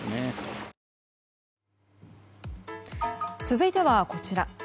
続いては、こちら。